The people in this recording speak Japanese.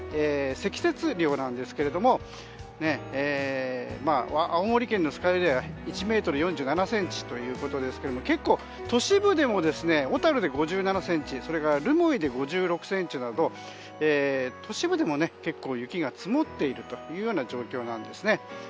積雪量ですけども青森県の酸ヶ湯では１ｍ４７ｃｍということですが結構、都市部でも小樽で５７ｃｍそれから留萌で５６ｃｍなど都市部でも結構雪が積もっているというような状況なんですね。